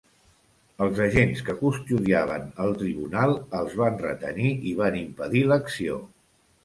Els agents que custodiaven el tribunal els van retenir i van impedir l’acció.